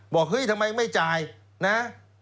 บอกเฮ้ยทำไมไม่จ่ายนะฮะ